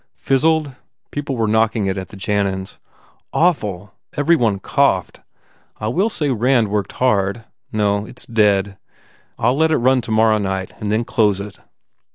"Fizzled? People were knocking it at the Jannan s." "Awful! Every one coughed. I will say Rand worked hard. No, it s dead. I ll let it run to morrow night and then close it.